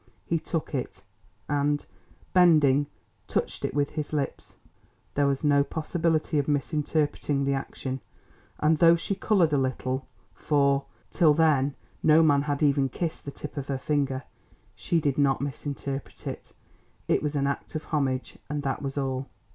He took it, and, bending, touched it with his lips. There was no possibility of misinterpreting the action, and though she coloured a little—for, till then, no man had even kissed the tip of her finger—she did not misinterpret it. It was an act of homage, and that was all.